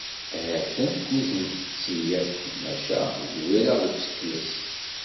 Ha-tt-an tkuzint tetti akk maca zwireɣ deg usekles.